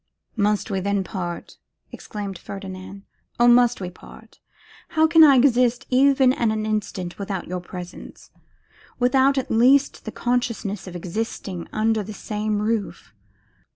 'Must we then part?' exclaimed Ferdinand. 'Oh! must we part! How can I exist even an instant without your presence, without at least the consciousness of existing under the same roof?